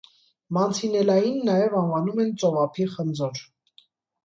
Մանցինելաին նաև անվանում են ծովափի խնձոր։